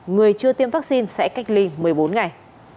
người chưa tiêm vaccine sẽ cách ly một mươi bốn ngày